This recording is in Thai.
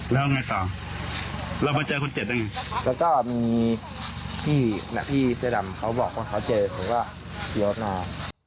แล้วก็มีหน้าพี่เสด่ำเขาบอกว่าเขาเจอมึงว่าเจอหน้า